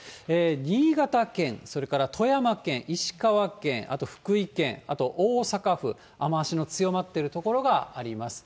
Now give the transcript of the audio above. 新潟県、それから富山県、石川県、あと福井県、あと大阪府、雨足の強まってる所があります。